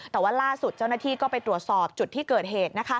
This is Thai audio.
แต่ว่าล่าสุดเจ้าหน้าที่ก็ไปตรวจสอบจุดที่เกิดเหตุ